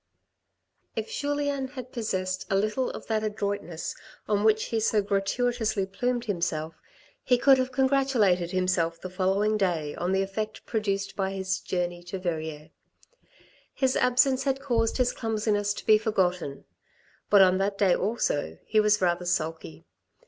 If Julien had possessed a little of that adroitness on which he so gratuitously plumed himself, he could have congratulated himself the following day on the effect produced by his journey to Verrieres. His absence had caused his clumsiness to be forgotten. But on that day also he was rather sulky.